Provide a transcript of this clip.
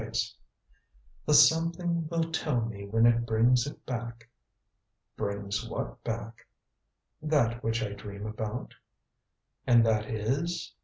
"The something will tell me when it brings it back." "Brings what back?" "That which I dream about?" "And that is